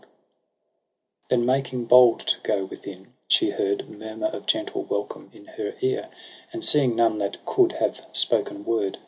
ID Then making bold to go within, she heard Murmur of gentle welcome in her ear • And seeing none that coud have spoken word.